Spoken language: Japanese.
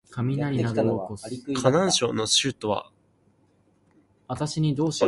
河南省の省都は鄭州